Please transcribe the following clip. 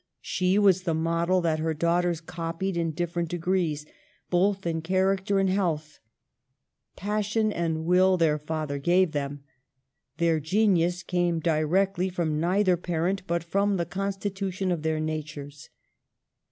She was the model that her daughters copied, in different degrees, both in character and health. Passion and will their father gave them. Their genius came directly from neither parent, but from the con stitution of their natures.